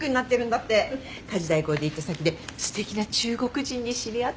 家事代行で行った先ですてきな中国人に知り合って。